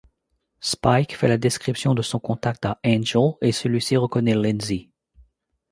Spike fait la description de son contact à Angel et celui-ci reconnaît Lindsey.